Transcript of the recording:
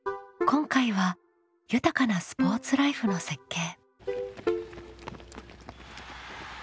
今回は「豊かなスポーツライフの設計」。